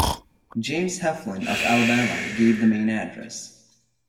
James Heflin of Alabama gave the main address.